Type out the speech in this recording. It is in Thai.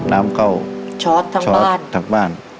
น้ำเก้าชอตทั้งบ้าน